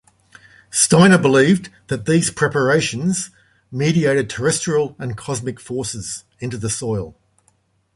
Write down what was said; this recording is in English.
Steiner believed that these preparations mediated terrestrial and cosmic forces into the soil.